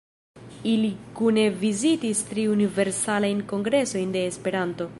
Ili kune vizitis tri Universalajn Kongresojn de Esperanto.